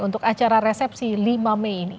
untuk acara resepsi lima mei ini